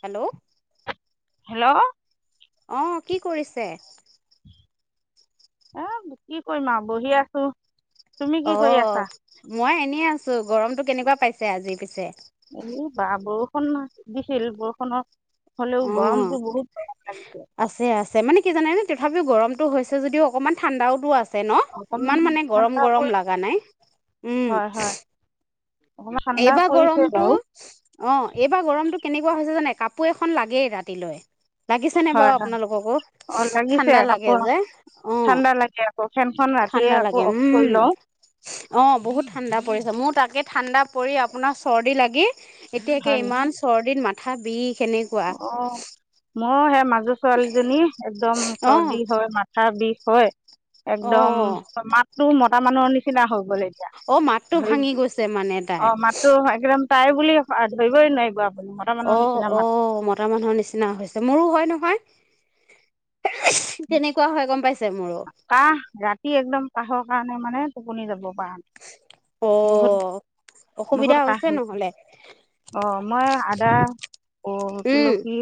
Hello hello অ কি কৰিছে? এ কি কৰিম আও বহি আছো। তুমি কি অ কৰি আছা? মই এনেই আছো গৰমতটো কেনেকুৱা পাইছে আজি পিছে? বণ দিখিল বৰষুণৰ। হ'লেও অ গৰমটো বহুত আছে আছে। আছে মানে কি জানে তথাপিও গৰমটো হৈছে যদিও অকণমান ঠাণ্ডাওতো আছে। আছে ন অকমান ইমান মানে গৰম ঠাণ্ডা গৰম পৰি লাগা নাই উম। হয় হয় অকমান ঠাণ্ডা এইবাৰ পৰিছে গৰমতটো বাৰু অ এইবাৰ গৰমতটো কেনেকুৱা হৈছে জানে কাপোৰ এখন লাগেই ৰাতিলৈ। লাগিছেনে বাৰু হয় হয় আপোনালোককো অ লাগিছে ঠাণ্ডা লাগে কাপোৰ যে অ। ঠাণ্ডা লাগে আকৌ ফেনখন ৰাতিয়ে ঠাণ্ডা আকৌ লাগে অফ কৰি উম লওঁ অ বহুত ঠাণ্ডা। পৰিছে মোৰ তাকে ঠাণ্ডা পৰি আপোনাৰ চৰ্দি লাগি এতিয়াকে হয় নেকি ইমান চৰ্দিত মা থাকবি অ মই সে মাক ছোৱালীজনী একদম অ', চৰ্দি হয় মাথা বিষ হয় একদম অ', স মাত- তো মতা মানুহৰ নিচিনা হৈ গ'লে অ মাতটো ভাঙি গৈছে মানে তাই অ মাতটো একদম তাই বুলি ধৰিবই নোৱাৰিব মতা মানুহ অ', নিচিনা মাত অ মতা মানুহৰ নিচিনা হৈছে মোৰো হয় নহয় তেনেকুৱা হয় গম পাইছে মোৰো কাহ ৰাতি একদম কাহৰ কাৰণে মানে টোপনি যাব পাৰা নাই বহুত অ', অসুবিধা বহুত কাহ হৈছে নহ'লে অ মই আদা, উম, তুলসী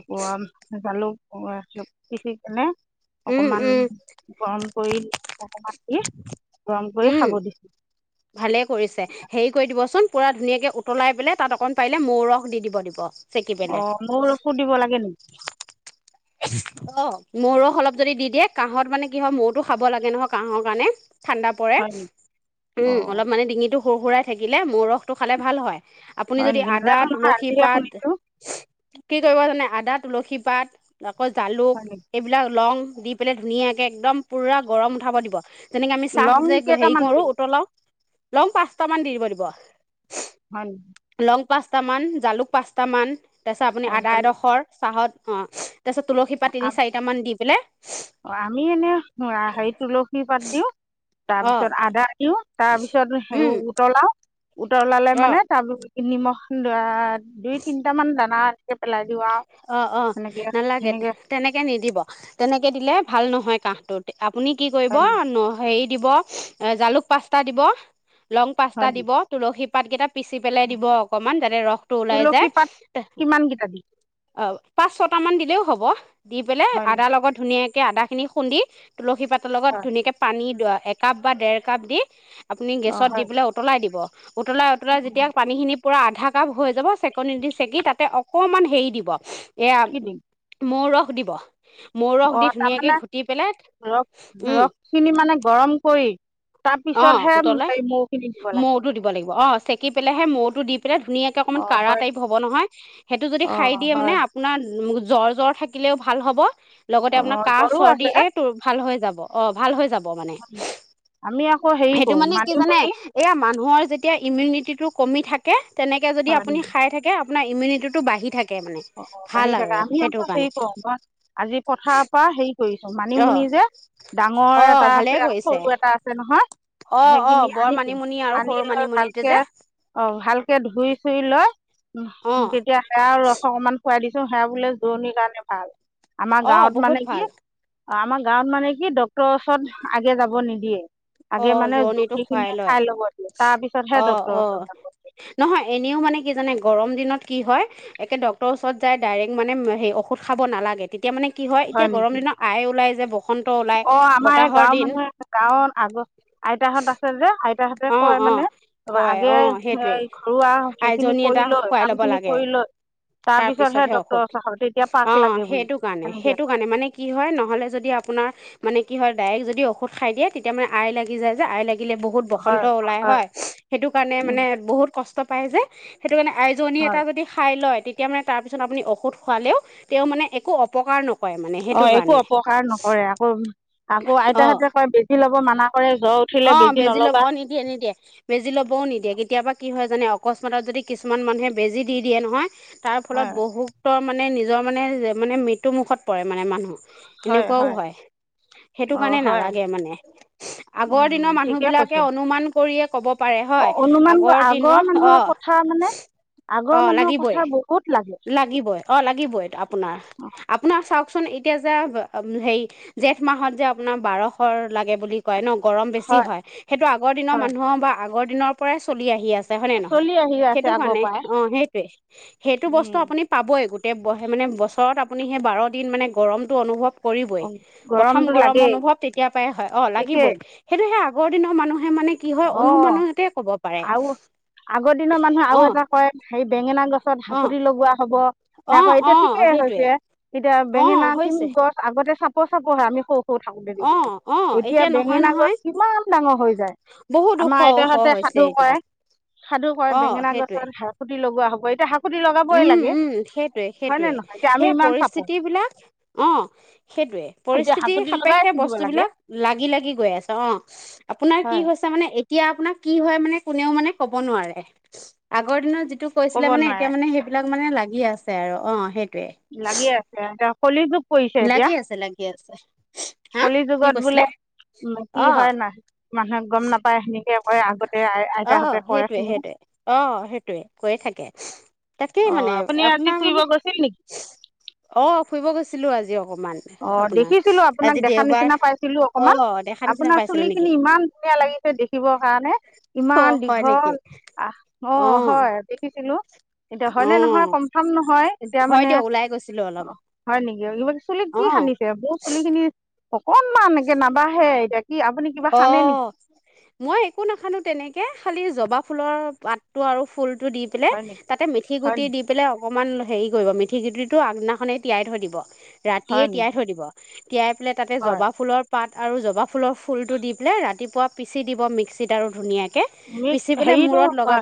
আকৌ আ জালুক [unintelligible] পিচি কেনে উম, অকমান উম, গৰম কৰি অকমান দি গৰম কৰি উম, খাব দিছো ভালে কৰিছে হেৰি কৰি দিব চোন পুৰা ধুনীয়াকে উতলাই পেলে তাত অকণ পাৰিলে মৌ ৰস দি দিব দিব চেকি পেলাই অ মোৰ ৰসো দিব লাগে নেকি অ মৌ ৰস অলপ যদি দি দিয়ে কাহত মানে কি হয় মৌতো খাব লাগে নহয় কাহৰ কাৰণে ঠাণ্ডা পৰে হয় নেকি অ উম অলপ মানে ডিঙিটো সুৰসুৰাই থাকিলে মৌ ৰসটো খালে ভাল হয় আপুনি হয় যদি নেকি আদা, নাজানো নহয় তুলসী আজিহে পাত শুনিছোঁ কি কৰিব জানে আদাত তুলসী পাত আকৌ জালুক হয় নেকি এইবিলাক লং দি পেলাই ধুনীয়াকে একদম পুৰা গৰম উঠাব দিব যেনেকে আমি চাহ লং যে হেৰি কেইটামান কৰো দিম উতলাও লম পাঁচট মান দি দিব দিব হয় নি লং পাঁচটামান জালুক পাঁচটামান তাৰপিছত অ আপুনি আদা জালুক এডখৰ চাহত অ তাৰপিছত তুলসী পাত তিনি চাৰিট মান দি পেলাই অ আমি এনে হে তুলসীৰ পাত দিওঁ। অ তাৰপিছত আদা দি তাৰ পিছত সে উম উতলাও। উতৰলালে অ মানে তাৰ নিমখ দৰা দুই তিনিটা মান দানা, এনেকৈ পেলাই দিওঁ আৰু অ অ সেনেকৈ নেলাগে। সেনেকৈ তেনেকে নিদিব তেনেকে দিলে ভাল নহয় কাহটোত। আপুনি কি কৰিব হয় নি ন হেৰিত দিব, জালুক পাঁচটা দিব। লং হয় পাঁচটা নি দিব, তুলসী, পাতকেইটা পিচি পেলাই দিব অকমান যাতে ৰসটো ওলাই তুলসী যায়। পাত কিমানকেইটা দিম অ পাঁচ ছটা মান দিলেও হ'ব। দি পেলাই হয় নি আদাৰ লগত ধুনীয়াক আদা খিনি খুন্দি, তুলসী পাতৰ লগত হয় ধুনীয়াকে পানী একাপ বা ডেৰ কাপ দি, আপুনি অঁ গেছত দি হয় পেলাই উতলাই দিব। উতলাই উতলাই যেতিয়া পানীখিনি, পূৰা আধা কাপ হৈ যাব, চেকনি দি চেকি তাতে অকণমান হেয়ি দিব, এয়া মৌ ৰস দিব। মৌ ৰস অ দি ধুনীয়াকে তাৰমানে ঘুটি পেলাই ৰস উম ৰস খিনি মানে গৰম কৰি, তাৰ অ পিছতহে উতলাই মৌ খিনি দিব লাগে। মৌটো দিব লাগিব অ চেকি পেলেহে মৌতো দি প ধুনীয়াকে অকমান অঁ কাঢ়া হয় টাইপ হ'ব নহয়, সেইটো যদি খাই অঁ দিয়ে মানে হয় আপোনাৰ জ্বৰ জ্বৰ থাকিলেও ভাল হ'ব। লগতে আপোনাৰ অঁ কাহ তৰো চৰ্দি আছে এইটো ভাল হৈ যাব। অ ভাল হৈ যাব। মানে আমি আকৌ হেৰি সেইটো কৰোঁ মানে কি জানে মানিমুনি এয়া মানুহৰ যেতিয়া ইমিউনিটিটো কমি থাকে তেনেকৈ যদি হয় নেকি আপুনি খাই থাকে আপোন ইমিউনিটিটো বাঢ়ি থাকে [unintelligible] অ অ ভাল বাঢ়ি আৰু থাকে আমি সেইটো আকৌ কাৰণে হেৰি কৰো ধ আজি পথাৰৰ পৰা হেৰি কৰিছো অ মানিমুনি যে ডাঙৰ অ এটা ভালে আছে আৰু কৰিছে সৰু এটা আছে নহয় অ [unintelligible] অ সেইখিনি বৰ আনিছো মানিমুনি আৰু আনি সৰু লৈ মানিমুনিটো ভালকে যে অ ভালকে ধুই চুই লৈ অ উ তেতিয়া সে আৰু ৰখ অকণমান খুৱাই দিছো সেয়া বোলে দৰণিৰ কাৰণে ভাল আমাৰ অ গাঁৱত বহুত মানে কি ভাল অ আমাৰ গাৱত মানে কি ড ক্ৰচত আগে যাব নেকি দে অ জোৰণিটো খুৱাই লয় ল'ব দিয়ে তাৰ পিছতহে অ ডক্তৰৰ অ ওচৰত যাব দিয়ে নহয় এনেও মানে কি জানে গৰম দিনত কি হয় একে ডক্টৰৰ ওচৰত যায় ডাইৰেক্ট মানে সেই ঔষধ খাব নালাগে তে এতিয়া মানে কি হয় এতিয়া গৰম দিনৰত আয়ে ওলাই যায় অ আমাৰ গাঁওৰ মানুহে গাঁৱৰ আগত আইতাহত আছিল যে আইত [unintelligible] অ', অ', কয় অ', সেইটোৱে এই ঘৰুৱা সেইখিনি আইজনী কৰি এটা লৈ খুৱাই ল'ব কামখিনি লাগে, কৰি লৈ তাৰ তাৰপিছতহে পিছতহে ডক্তৰৰ ঔষুধ ওচৰ চাব তেতিয়া পাক অ লাগে বুলি সেইটো কাৰণে, সেনেকে সেইটো কাৰণে মানে কি হয় নহলে যদি আপোনাৰ মানে কি হয় ডাইৰেক্ত যদি ঔষধ খাই দিয়ে তেতিয়া মানে আই লাগি যায় যে, আই লাগিলে ব খন্ত ওলায় হয়, কো সেইটো কাৰণে উম মানে বহুত কষ্টত [unintelligible] পাই যে সে সেইটো কাৰণে আইজনী এটা হয় যদি খাই লয় তেতি তেতিয়া মানে তাৰপিছত আপুনি ঔষধ খোৱালেও তেওঁ মানে একো অপকাৰ নক অ একো অপকাৰ নকৰে আকৌ আকৌ অ', আইতাহতে কয় বেছি। অ', বেজি ল'ব, অ নিদিয়ে', নিদিয়ে', বেজি ল'বও নিদিয়ে কেতিয়াবা কি হয় যেনে অকস্মাতে যদি কিছুমান মানুহে বেজি দি দিয়ে নহয় তাৰ ফলত হয় বহুক্তৰ [unintelligible] মানে নিজৰ মানে মানে মৃত্যু মুখত পৰে মানে মানুহ। এনেকুৱাও হয় সেইটো অ কাৰণে হয় নালাগে মানে। আগৰ উম দিনৰ মানুহ ঠিকে বিলাকে কৈছে অনুমান কৰিয়ে ক'ব পাৰে অ হয় অনুমান আগৰ দিনত মানুহৰ অ', কথা মানে উহ আগৰ অ', মানুহৰ কথা লাগিবই', বহুত লাগে লাগিবই', অ লাগিবই', আপোনাৰ', অ আপোনাৰ চাওকচোন এতিয়া যে হেৰি জেঠ মাহত যে আপোনাৰ বাৰশৰ লাগে বুলি কয় ন। গৰম বেছি হয়, সেইটো আগৰ দিনৰ হয় মানুহৰ বা আগৰ দিনৰ পৰাই চলি আহি আ চে হয় নে নহয় চলি আহি সেই আছে আগৰ কাৰণে, পৰাই অ সেইটোৱেই সেইটো বস্তু উম আপুনি পাবই গোটেই বহে মানে বছৰত আপুনি আপুনি সেই বাৰ দিন মানে গৰমটো অনুভৱ কৰিবই উম, প্ৰথম গৰমটো গৰম লাগেই অনুভৱ তেতিয়া পৰাই হয় অ লাগি ঠিকেই লিবই সেইটো হে বৰ দিনৰ মানুহ অ আৰু আগৰ দিনৰ মানুহে অ আৰু এটা কয় হে বেঙেনা গছ গছত অ হকুতি লগোৱা হ'ব। সেয়া কয় অ', এতিয়া অ', ঠিকেই সেইটোৱে। হৈছে এতিয়া অ বেঙেনা কি হৈছে গছ আগতে চাব ক শাখাত পঢেঁ আমি সৰু টো থাকোতে অ দেখিব অ এতিয়া নহয় বেঙেনা গছ নহয় কিমান ডাঙৰ হৈ যায়। বহুত ওখ আমাৰ ওখ আইতাহঁতে হৈছে সাধু এতিয়া কৰে', সাধু কৰে', অ বেঙেনা গছত সেইটোৱে হাঁহ খুতি লগো পোৱা হ'ব এতিয়া সাপ উম উম সেইটোয়ে নে সেইটোয়ে নহয় এতিয়া আমি সেয়া ইমান চাপো পৰিস্থিতি বিলাক অ সেইটোয়ে এতিয়া পৰিস্থিতি হাকুতি লগাই সাপেক্ষে ছিগিব বস্তু লাগে বিলাক লাগি লাগি গৈ আছে অ আপোনাৰ কি হয় হৈছে মানে এতিয়া আপোনাক কি হয় মানে কোনেও মানে ক'ব নোৱাৰে আগৰ দিনৰত তটো কৈছিলে ক'ব মানে নোৱাৰে মানে সেইবিলাক মানে লাগি আছে আৰু অ সেই লাগি আছে এ কলি যুগ পৰিছে এতিয়া লাগি আছে লাগি আছে হা কলি কি যুগত বোলে কৈছিলে উম, কি অ হয় না মানুহে গম নাপায় সেনেকে কৰে আগতে আই অ আইতাহঁতে কৰে সেইটোৱে শুনো সেইটোৱে অ সেইটোৱে কৈয়ে থাকে তাকেই অঁ মানে আপুনি আজি আপোনাৰ ফুৰিব মানে গৈছিল নেকি অ ফুৰিব গৈছিলো আজিও অ দেখিছিলো আপোনাক দেখা দেওবাৰ নিচিনা পাইছিলো অ অকমান দেখা নিচিনা আপোনাৰ পাইছিলো চুলি নেকি খিনি ইমান ধুনীয়া লাগিছে দেখিবৰ কাৰণে অ ইমান হয় নেকি দীঘল আহ অ হয় দেখিছিলো এতিয়া হয় অ নে নহয় কনফাৰ্ম নহয় এতিয়া হয় মানে দিয়ক ওলাই গৈছিলো অলপ। [unintelligible] অ কি সানিছে [unintelligible] চুলি খিনি অকনমান একে নাবাঢ়ে এতিয়া আপুনি কিবা সানে নেকি অ' মই একো নাসানো তেনেকে খালি জবা ফুলৰ পাতটো আৰু ফুল টো দি পেলে হয় নেকি তাতে মিঠি হয় গুটি দি পেলে অকমাণ হেৰি কৰিব মিঠি গুটিটো আগদিনাখনেই তিয়াই থৈ দিব। ৰাতিয়ে হয় তিয়াই নেকি থৈ দিব। তিয়াই পেলে তাতে হয় জবা ফুলৰ পাত আৰু জবা ফুলৰ ফুলটো দি পেলে ৰাত ৰাতিপুৱা পিচি দিব মিক্সিত আৰু ধুনীয়া [unintelligible] হেৰিটো [unintelligible]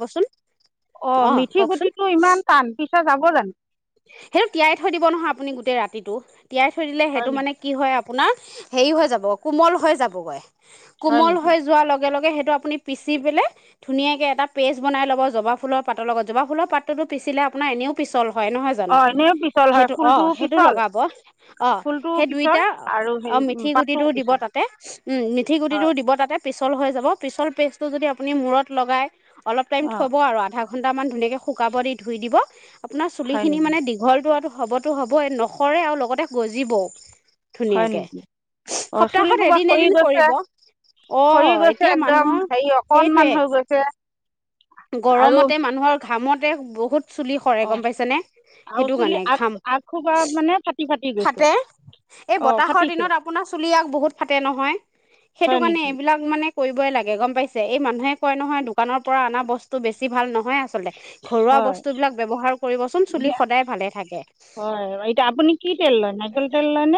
অ' অঁ মিথি কওকচোন গুটিটো ইমান টান পিছা যাব জা [inaudible] সেইটো তিয়াই থৈ দিব নহয় আপুনি গোটেই ৰাতিটো। তিয়াই থৈ দিলে হয় সেইটো নেকি মানে কি হয় আপোনাৰ হেৰি হৈ যাব কোমল হৈ যাবগৈ। হয় কোমল নেকি হৈ যোৱা লগ লগে লগে সেইটো আপুনি পিচি পেলে ধুনীয়াকৈ এটা পেষ্ট বনাই ল'ব। জবা ফুলৰ পাতৰ লগত জবা ফুলৰ পাত তটো পিচিলে আপোনাৰ এনেও পিছল হয় নহয় জানো। অঁ এনেও পিছল হয় সেইটো অ, ফুলটোও সেইটো পিছল লগাব অ, ফুলটোও সেই পিছল দুইটা আৰু অ, হেৰি উম, মিঠি গুটিটো পাতটোও দিব পিছল তাতে। উম, মিঠি গুটিটো হয় দিব তাতে পিচ তল হৈ যাব। পিছল পেষ্টটো যদি আপুনি মূৰত লগাই। অলপ টাইম অঁ থ'ব আৰু আধা ঘণ্টামান ধুনিয়াকে শুকাব দি ধুই দিব। আপোনা হয় চুলিখিনি নেকি মানে দীঘল টোৱাটো। হ'বতো হ'ব এ, নখৰে আৰু লগতে গজিবও। হয় ধুনীয়াকে নেকি। অ', চুলি সপ্তাহত সোপা এদিন সৰি এদিন গৈছে। কৰিব অ সৰি গৈছে এতিয়া একদম মানুহৰ হেৰি সেইটোৱে অকনমান হৈ গৈছে। আৰু গৰমতে মানুহৰ ঘামতে বহুত চুলি সৰে অঁ গম পাইছেনে। আৰু সেইটো চুলি কাৰণে আগ ঘাম। আগসোপা মানে ফাটি ফাটি গৈছে ফাটে, এই অঁ বতাহৰ ফাটিছে দিনত আপোনাৰ চুলি আগ বহুত ফাটে নহয়, সেইটো হয় কাৰণে নেকি এইবিলাক মানে কৰিবই লাগে গম পাইছে। এই মানুহে কয় নহয় দোকানৰ পৰা আনা বচ বস্তু বেছি ভাল নহয় আচলতে। ঘৰুৱা হয় বস্তুবিলাক ব্যৱহাৰ কৰিবচোন চুলি এতিয়া সদায় ভালে থাকে। হয় এতিয়া আপুনি কি তেল লয় নাৰিকল তেল লয়নে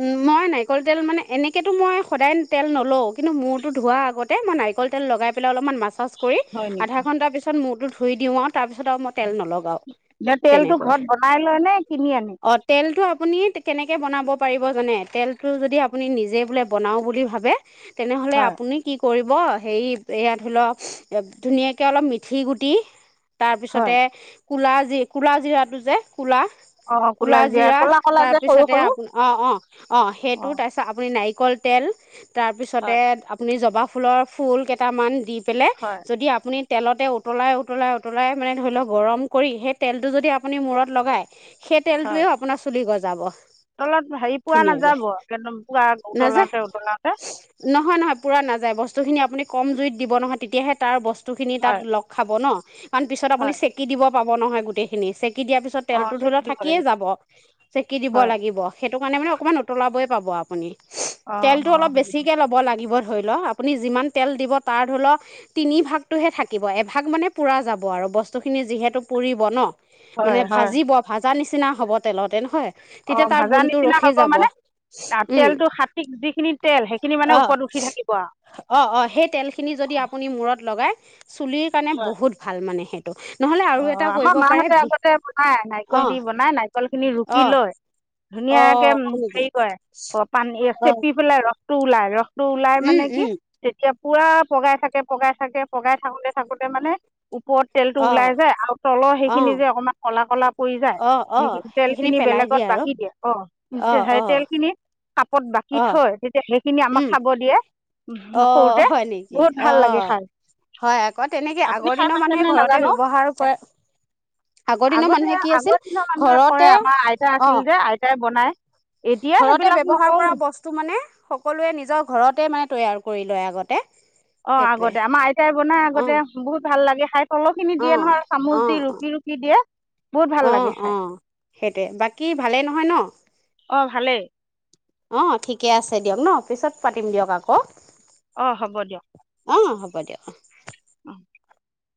উম, মই নাই। কল তেল মানে এনেকেতো মই সদায় তেল নলওঁ। কিন্তু মূৰটো ধোৱাৰ আগতে মই নাৰিকল তেল লগাই পেলায় অলপমান মাছাছঁ। কৰি। হয় নেকি আধা ঘণ্টাৰ পিছত। মূৰতো ধুই দিওঁ। আৰু তাৰ পিছত আৰু মত তেল নলগাও এতিয়া তেলটো তেনেকৈ, ঘৰত বনাই লয় নে কিনি আনে অ তেলটো আপুনি তে কেনেকে বনাব পাৰিব জানে। তেলটো যদি আপুনি নিজে বোলে বনাও বুলি ভাবে। তেনেহলে হয় আপুনি কি। কৰিব। হেৰি এয়া ধৰি লওক ধুনীয়াকে অলপ মিঠি গুটি। তাৰ হয় পিছতে। কুলাজি কুলাজিৰাটো যে। কুলা অঁ ক'লা জিৰা কুলাজিৰা ক'লা ক'লা যে সৰু তাৰপিছতে সৰু আপোন অ', অ', অ', সেইটো অঁ তাৰপিছত আপুনি নাৰি কলতেল তাৰপিছতে হয় আপুনি জবা। ফুলৰ ফুল কেইটামান দিপ। পেলে। হয় আপুনি তেলতে উতলাই, উতলাই, উতলাই মানে ধৰি লওক গৰম কৰি সেই তেলটো যদি আপুনি মূৰত লগাই। সেই তেলটোৱেও আপোনাৰ চুলি গজ যাব তলত হেৰি পোৱা নাযাব একদম পুৱা নাযায় উতলাওতে উতলাওতে বস্তখিনি আপুনি কম জুইত দিব নহয় তেতিয়াহে। তাৰ বস্তু বস্তুখিনি তাত হয় লগ খাব ন। [unintelligible] কাৰণ পিছত আপুনি হয় চেকি দিব পাব নহয় গোটেইখিনি চে চেকি দিয়াৰ পিছত অঁ তেলতো ধৰি চেকি লওক দিব থাকিয়ে লাগিব যাব। চেকি দিব হয় লাগিব, সেইটো কাৰণে মানে অকণমান উতলাবই। পাব আপুনি। অঁ তেলতো অঁ অলপ বেছিকে ল'ব লাগিব ধৰি লওক আপুনি যিমান টেল দিব টা ধৰিল তিনিভাগটোহে থাকিব এভাগ মানে পুৰা যাব আৰু বস্তুখিনি যিহেতু পুৰিব ন মানে হয় হয় ভাজিব ভাজ যা নিচিনা হ'ব তেলতে নহয় অহ, তেতিয়া তাৰ ভাজা গুণটো নিচিনা ৰখি হব যাব মানে, তেলটো খাটিক যিখিনি তেল সেইখিনি মানে অঁ ওপৰত উঠি থাকিব আৰু। কোৰত লগাই, হয়, নহ'লে আৰু অহ, এটা আমাৰ কৰিব পাৰে মাহঁতে ভি আগতে বনাই নাৰিকল দি অঁ বনাই নাৰিকল খিনি ৰুকি অঁ লৈ ধুনীয়াকে অঁ হয় নেকি হেৰি কৰে অ, পানী অঁ চেপি পেলাই ৰস, ৰসটো ওলাই ৰস, টো ওলাই মানে কি তেতিয়া, পুৰা পগাই থাকে, পগাই থাকে পগাই থাকোতে, থাকোতে মানে, - ওপৰত তেলটো অঁ ওলাই যায় আৰু তলৰ অঁ সেইখিনি যে অকণমান কলা-কলা পুৰি যায় অঁ অঁ সেই তেল সেইখিনি খিনি পেলাই বেলেগত আৰু বাকি দিয়ে অহ, অঁ সেই অঁ তেল খিনি, ওপৰত বাকী থৈ তেতিয়া, খিনি আমাক খাব দিয়ে। উম, অহ, সৰুতে হয় নেকি বহুত অ, ভাল লাগে খাই হয়, অ, 'তেনেকে আপুনি আগৰ খাই দিনৰ পাইছেনে মানুহে ঘৰতে নাজানো ব্যৱহাৰ কৰে। আগৰ দিনৰ আগতে মানুহে কি আছিল আগৰ দিনৰ মানুহে ঘৰতে কয় আমাৰ আইতা আছিল অহ, যে আইতাই বনায় এতিয়া ঘৰতে সেইবিলাক ব্যৱহাৰ নকৰোঁ কৰা বস্তু মানে সকলোৱে নিজৰ ঘৰত, তে মানে তৈয়াৰ কৰি লয় আগতে। অহ, সেইটোৱে আগতে আমাৰ আইতাই বনাই অঁ আগতে বহুত ভাল লাগে, খাই তলৰ খিনি অ', দিয়ে নহয় চামুচ দি অ', ৰুকি -ৰুকি দিয়ে বহুত ভাল অ', অ', লাগে খাই। অ', সেইটোৱে বাকী ভালেই নহয় অহ, ভালেই। অহ, ঠিকে আছে দিয়ক ন', পিছত পাতিম দিয়ক আকৌ। অহ, হ'ব দিয়ক। অহ, হ'ব দিয়ক অ, ' [inaudible]